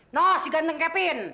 no si ganteng kevin